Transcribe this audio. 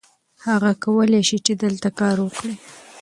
هغه کولی شي چې دلته کار وکړي.